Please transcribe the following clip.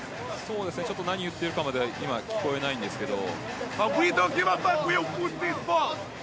ちょっと何言ってるかまでは聞こえないんですけど。